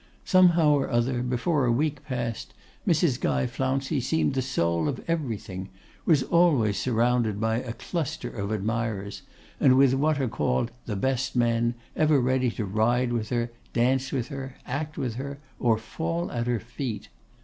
Somehow or other, before a week passed, Mrs. Guy Flouncey seemed the soul of everything, was always surrounded by a cluster of admirers, and with what are called 'the best men' ever ready to ride with her, dance with her, act with her, or fall at her feet.